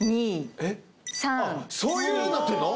あっそういうふうになってんの？